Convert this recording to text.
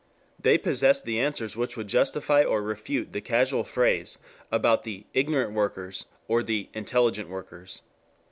They possessed the answers which would justify or refute the casual phrase about the "ignorant workers" or the "intelligent workers."